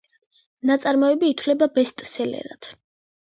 ნაწარმოები ითვლება ბესტსელერად.